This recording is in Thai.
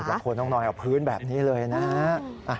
แล้วคนต้องนอนเอาพื้นแบบนี้เลยนะฮะ